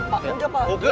pak duitnya pak